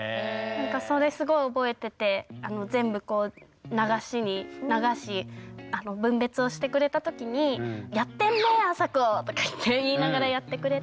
なんかそれすごい覚えてて全部こう流しに流し分別をしてくれた時にとかって言いながらやってくれて。